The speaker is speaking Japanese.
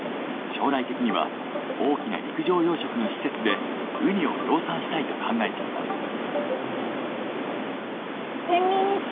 将来的には大きな陸上養殖の施設でウニを量産したいと考えています。